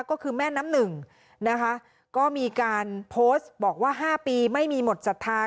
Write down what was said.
ก็คือแม่น้ำหนึ่งนะคะก็มีการโพสต์บอกว่า๕ปีไม่มีหมดศรัทธา